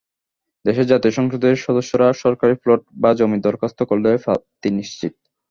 দেশের জাতীয় সংসদের সদস্যরা সরকারি প্লট বা জমি দরখাস্ত করলেই প্রাপ্তি নিশ্চিত।